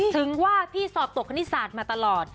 ถึงว่าพี่สอบตกคณิตศาสตร์มาตลอด